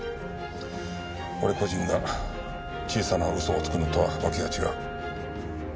俺個人が小さな嘘をつくのとは訳が違う。